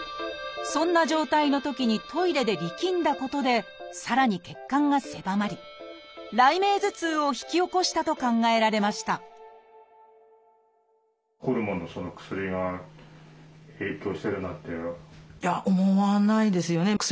そんな状態のときにトイレで力んだことでさらに血管が狭まり雷鳴頭痛を引き起こしたと考えられましたいや思わないですよね。